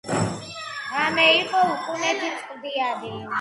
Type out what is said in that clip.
ღამე იყო უკუნეთი , წყვდიადი